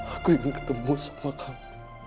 aku ingin ketemu semua kamu